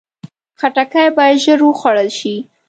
خټکی باید ژر وخوړل شي.